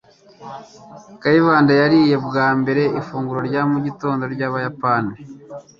Kayibanda yariye bwa mbere ifunguro rya mugitondo ryabayapani.